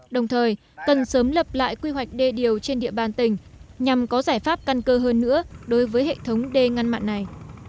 đồng thời cần sớm lập lại quy hoạch đê điều trên địa bàn tỉnh nhằm có giải pháp căn cơ hơn nữa đối với hệ thống đê ngăn mặn này